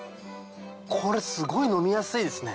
これすごい飲みやすいですね。